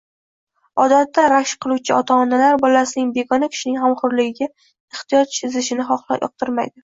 Odatda rashk qiluvchi ota-onalar bolasining begona kishining g‘amxo‘rligiga ehtiyoj sezishini yoqtirmaydi.